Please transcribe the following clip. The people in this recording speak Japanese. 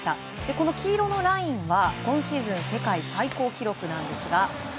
この黄色のラインは今シーズン世界最高記録なんですが。